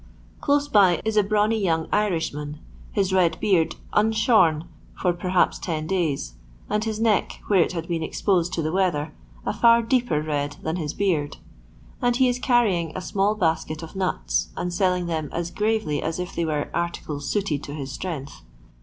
Close by is a brawny ^No^ XXIX. [ young Irishman, his red beard unshorn for per haps ten days, and his neck, where it had been exposed to the weather, a far deeper red than his beard, and he is carrying a small basket of nuts, and selling them as gravely as if they were articles suited to his strength.